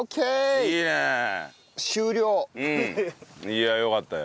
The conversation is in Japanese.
いやあよかったよ。